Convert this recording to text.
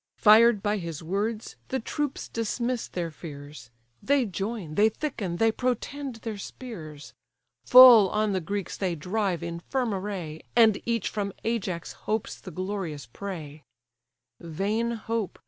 Fired by his words, the troops dismiss their fears, They join, they thicken, they protend their spears; Full on the Greeks they drive in firm array, And each from Ajax hopes the glorious prey: Vain hope!